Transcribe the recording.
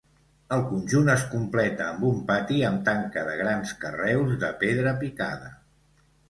El conjunt es completa amb un pati amb tanca de grans carreus de pedra picada.